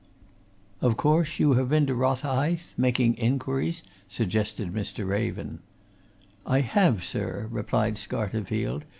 "Of course, you have been to Rotherhithe making inquiries?" suggested Mr. Raven. "I have, sir," replied Scarterfield.